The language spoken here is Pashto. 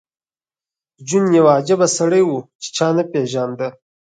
جون یو عجیب سړی و چې چا نه پېژانده